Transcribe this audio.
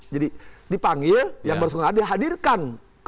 jadi dipanggil yang berseenggara dihadirkan